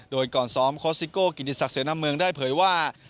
โดยก่อนซ้อมโค้ซิโก้กิติศักดิเสนอเมืองได้เผยว่า